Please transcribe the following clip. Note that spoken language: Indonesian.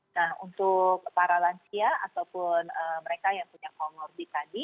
nah untuk para lansia ataupun mereka yang punya comorbid tadi